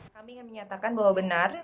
kami ingin menyatakan bahwa benar